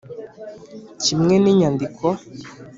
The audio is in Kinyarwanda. kimwe n'inyandiko